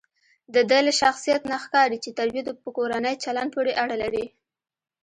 دده له شخصیت نه ښکاري چې تربیه په کورني چلند پورې اړه لري.